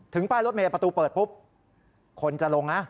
ถึงป้ายรถเมย์ประตูเปิดคุณจะลงนะ